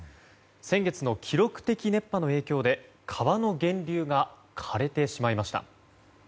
先月の記録的熱波の影響で川の源流が枯れてしまいました。